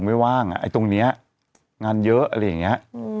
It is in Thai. ไม่ว่างอ่ะไอ้ตรงนี้งานเยอะอะไรอย่างนี้